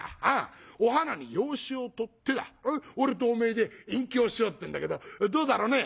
お花に養子をとってだ俺とおめえで隠居をしようってんだけどどうだろうね」。